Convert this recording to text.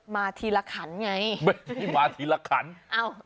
มาทีรคันไงไม่มาทีรคันอ้าว